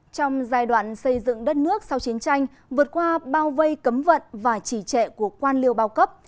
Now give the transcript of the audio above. trong giai đoạn xây dựng đất nước sau chiến tranh vượt qua bao vây cấm vận và chỉ trệ của quan liêu bao cấp